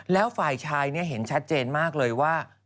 แล้วฝ่ายชายเห็นชัดเจนมากเลยว่า